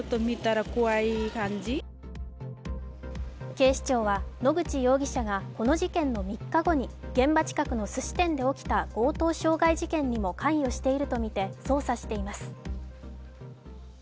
警視庁は野口容疑者がこの事件の３日後に現場近くのすし店で起きた強盗傷害事件にも関与しているとみて捜査しています。